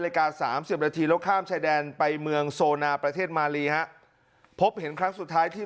นาฬิกา๓๐นาทีแล้วข้ามชายแดนไปเมืองโซนาประเทศมาลีฮะพบเห็นครั้งสุดท้ายที่